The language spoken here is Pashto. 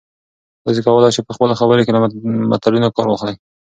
تاسي کولای شئ په خپلو خبرو کې له متلونو کار واخلئ.